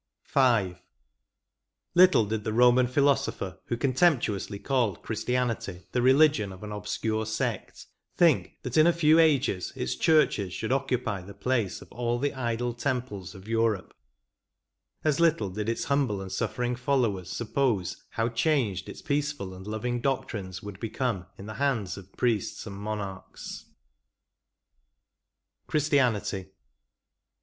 JO V. Little did the Roman philosopher, who con temptuously called Christianity the religion of an obscure sect, think, that in a few ages its churches should occupy the place of all the idol temples of Europe; as little did its humble and suffering followers suppose how changed its peaceful and loving doctrines would become in the hands of priests and monarchs. 11 CHRISTIANITY.